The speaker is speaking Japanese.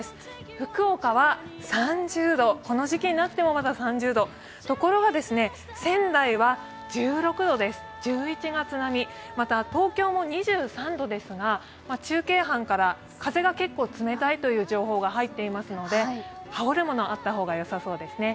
福岡は３０度、この時期になってもまだ３０度、ところが仙台は１６度です、１１月並み、また東京も２３度ですが、中継班から風が結構冷たいという情報が入っていますのではおるものあった方がよさそうですね。